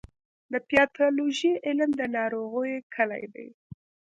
د پیتالوژي علم د ناروغیو کلي ده.